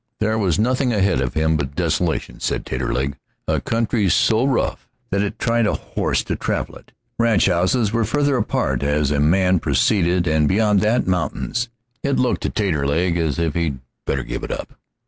There was nothing ahead of him but desolation, said Taterleg, a country so rough that it tried a horse to travel it. Ranchhouses were farther apart as a man proceeded, and beyond that, mountains. It looked to Taterleg as if he'd better give it up.